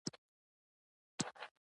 آیا د بیور پوستکي د پیسو ارزښت نه درلود؟